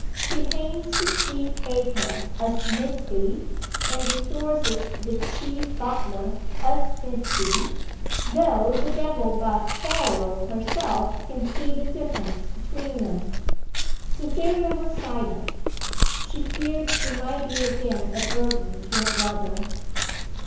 She hangs the chief baker, as mid be, and restores the chief butler, as mid be, though the devil but Pharaoh herself can see the difference between 'em.' Cytherea was silent. She feared she might be again a burden to her brother.